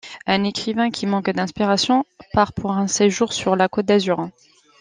Un écrivain qui manque d'inspiration part pour un séjour sur la Côte d'Azur.